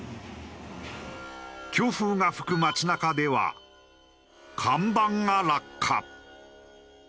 強風が吹く街なかでは看板が落下。